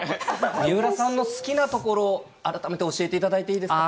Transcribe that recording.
水卜さんの好きなところ、改めて教えていただいていいですか？